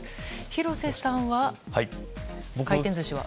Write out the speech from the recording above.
廣瀬さんは回転寿司は？